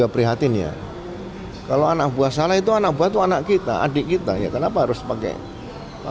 melihat apa yang dilakukan oleh ferdi sampo selagi kadir popam dalam kasus ini seperti apa